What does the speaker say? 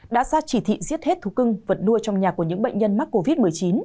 đã ra chỉ thị giết hết thú cưng vật nuôi trong nhà của những bệnh nhân mắc covid một mươi chín